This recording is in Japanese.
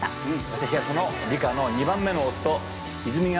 私はその梨花の２番目の夫泉ヶ